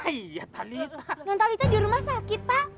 ah iya talita nontalita di rumah sakit pak